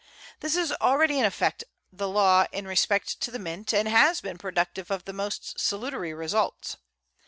This is already in effect the law in respect to the Mint, and has been productive of the most salutary results.